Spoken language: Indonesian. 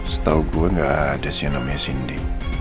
setau gue gak ada sih yang namanya sindi